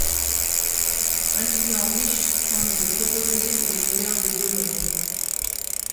Un client riche tente de proposer le meilleur des deux mondes.